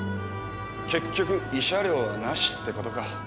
結局慰謝料はなしってことか。